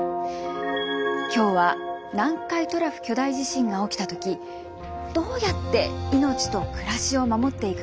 今日は南海トラフ巨大地震が起きた時どうやって命と暮らしを守っていくか。